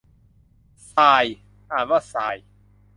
ทราย อ่านว่าซาย